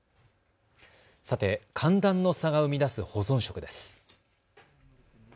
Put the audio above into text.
さて寒暖の差が生み出す保存食です。